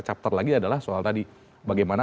chapter lagi adalah soal tadi bagaimana